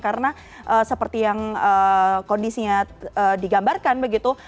karena seperti yang kondisinya digambarkan begitu